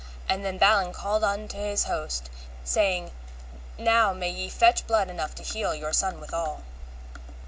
And then Balin called unto him his host, saying, Now may ye fetch blood enough to heal your son withal.